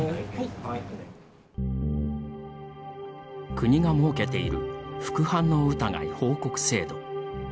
国が設けている副反応疑い報告制度。